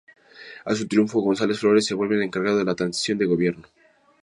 A su triunfo, González Flores se vuelve el encargado de la transición de gobierno.